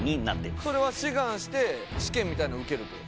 それは志願して試験みたいなの受ける？